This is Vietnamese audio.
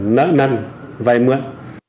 nỡ năn vai mượn